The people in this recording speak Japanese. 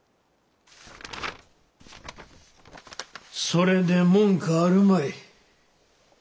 それで文句あるまい。